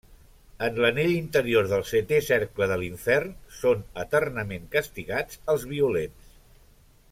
En l'anell interior del Setè Cercle de l'Infern, són eternament castigats els violents.